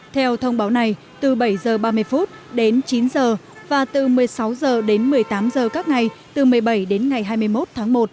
theo thông báo này từ bảy giờ ba mươi phút đến chín giờ và từ một mươi sáu giờ đến một mươi tám giờ các ngày từ một mươi bảy đến hai mươi một tháng